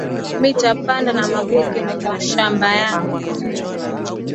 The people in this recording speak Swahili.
Mita panda na maboke mu mashamba yangu